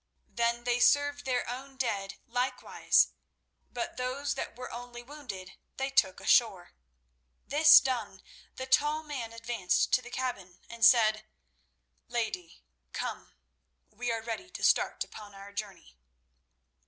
Then they served their own dead likewise, but those that were only wounded they took ashore. This done, the tall man advanced to the cabin and said: "Lady, come, we are ready to start upon our journey."